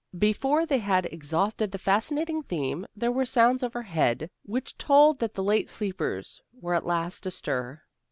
Before they had exhausted the fascinating theme there were sounds overhead which told that the late sleepers were at last astir.